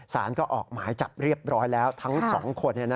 สารก็ออกหมายจับเรียบร้อยแล้วทั้ง๒คน